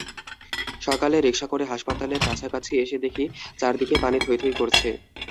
সকালে রিকশা করে হাসপাতালের কাছাকাছি এসে দেখি, চারদিকে পানি থইথই করছে।